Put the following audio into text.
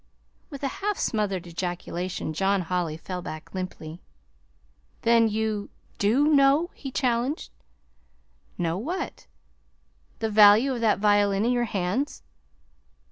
With a half smothered ejaculation John Holly fell back limply. "Then you do know?" he challenged. "Know what?" "The value of that violin in your hands."